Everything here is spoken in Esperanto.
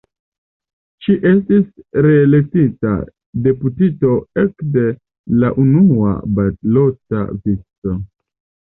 Ŝi estis reelektita deputito ekde la unua balota vico.